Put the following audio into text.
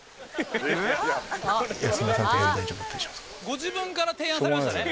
「ご自分から提案されましたね？」